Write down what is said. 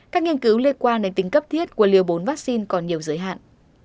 các nghiên cứu liên quan đến tính cấp thiết của liều bốn vaccine còn nhiều giới hạn